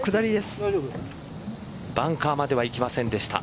バンカーまではいきませんでした。